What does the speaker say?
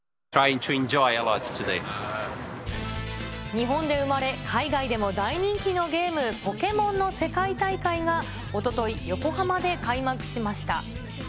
日本で生まれ、海外でも大人気のゲーム、ポケモンの世界大会がおととい、横浜で開幕しました。